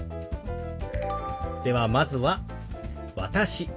ではまずは「私」。